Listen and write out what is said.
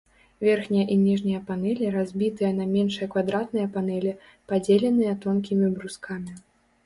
Верхняя і ніжняя панэлі разбітыя на меншыя квадратныя панэлі, падзеленыя тонкімі брускамі.